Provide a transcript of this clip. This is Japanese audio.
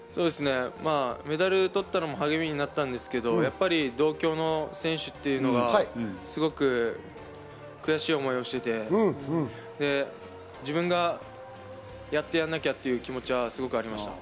メダル取ったのも励みになったんですけど、同郷の選手というのがすごく悔しい思いをしていて自分がやってやらなきゃという気持ちがすごくありました。